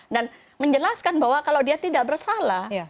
dan menjelaskan bahwa kalau dia tidak bersalah